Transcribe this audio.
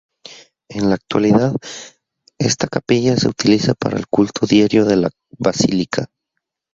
En la actualidad esta capilla se utiliza para el culto diario de la basílica.